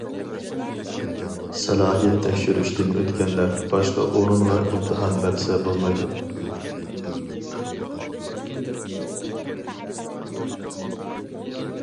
سالاھىيەت تەكشۈرۈشتىن ئۆتكەنلەر باشقا ئورۇنغا ئىمتىھان بەرسە بولمايدۇ.